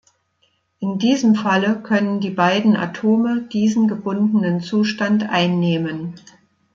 In diesem Falle können die beiden Atome diesen gebundenen Zustand einnehmen.